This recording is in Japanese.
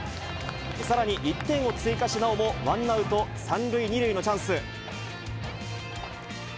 さらに１点を追加し、なおもワンアウト３塁２塁のチャンス。